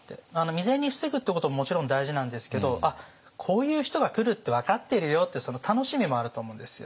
未然に防ぐってことももちろん大事なんですけど「あっこういう人が来るって分かってるよ」ってその楽しみもあると思うんですよ。